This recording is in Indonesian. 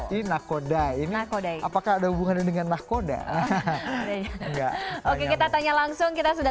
jadi nakodai ini nakodai apakah ada hubungannya dengan nakodai oke kita tanya langsung kita sudah